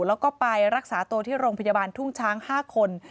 แล้วก็ไปรักษาตัวที่โรงพยาบาลทุ่งช้าง๕คน